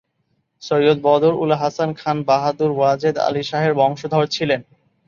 সৈয়দ বদর-উল হাসান খান বাহাদুর ওয়াজেদ আলি শাহের বংশধর ছিলেন।